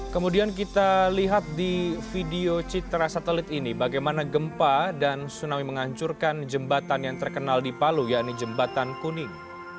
kemudian kita lihat di video citra satelit ini bagaimana gempa dan tsunami menghancurkan jembatan yang terkenal di palu yakni jembatan kuning